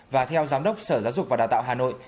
và theo giám đốc sở giáo dục và đào tạo hà nội